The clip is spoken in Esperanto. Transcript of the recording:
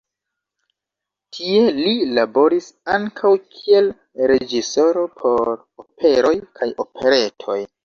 Tie li laboris ankaŭ kiel reĝisoro por operoj kaj operetoj.